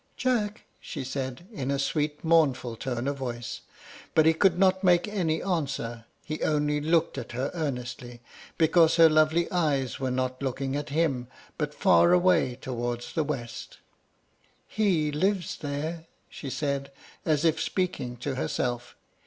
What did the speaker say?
"Jack," she said, in a sweet mournful tone of voice. But he could not make any answer; he only looked at her earnestly, because her lovely eyes were not looking at him, but far away towards the west. "He lives there," she said, as if speaking to herself.